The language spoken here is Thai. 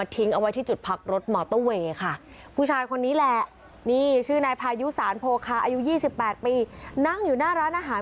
อายุสี่แปดปีนั่งอยู่หน้าร้านอาหาร